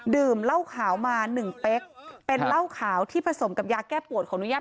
ดื่มเหล้าขาวมา๑เป๊กเป็นเหล้าขาวที่ผสมกับยาแก้ปวดขออนุญาต